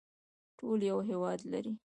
ټول یو هیواد لري